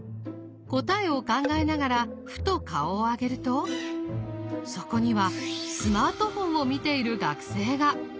答えを考えながらふと顔を上げるとそこにはスマートフォンを見ている学生が！